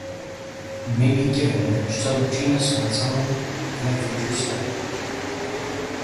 It may be given a subgenus of its own in a future study.